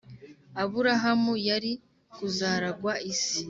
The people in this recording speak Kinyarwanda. Aburahamu yari kuzaragwa isi